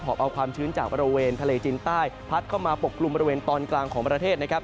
อบเอาความชื้นจากบริเวณทะเลจีนใต้พัดเข้ามาปกกลุ่มบริเวณตอนกลางของประเทศนะครับ